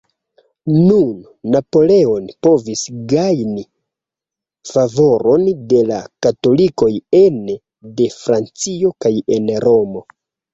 Nun, Napoleon povis gajni favoron de la katolikoj ene de Francio kaj en Romo.